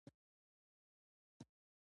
له بې نیازیه دي ورکېږمه بیا نه راځمه